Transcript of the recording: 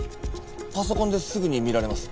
パソコンですぐに見られます。